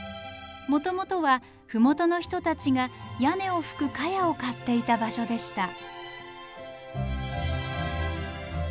もともとは麓の人たちが屋根を葺く茅を刈っていた場所でした。